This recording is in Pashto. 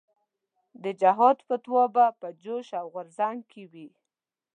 د جهاد فتوا به په جوش او غورځنګ کې وي.